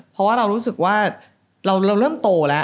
เพราะว่าเรารู้สึกว่าเราเริ่มโตแล้ว